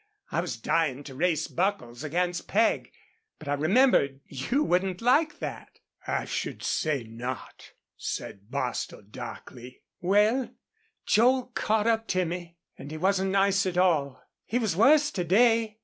I was dying to race Buckles against Peg, but I remembered you wouldn't like that." "I should say not," said Bostil, darkly. "Well, Joel caught up to me and he wasn't nice at all. He was worse to day.